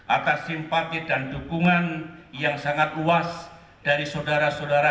atas simpati dan dukungan yang sangat luas dari saudara saudara